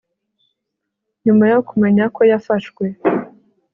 nyuma yo kumenyako yafashwe